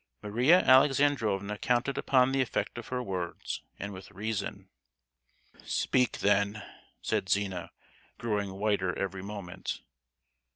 Maria Alexandrovna counted upon the effect of her words, and with reason: "Speak, then!" said Zina, growing whiter every moment.